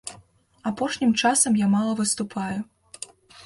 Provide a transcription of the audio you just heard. Апошнім часам я мала выступаю.